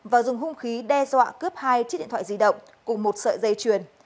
và dùng hung khí đe dọa cướp hai chiếc điện thoại di động cùng một sợi dây chuyền